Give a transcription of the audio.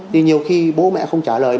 thì nhiều khi bố mẹ không trả lời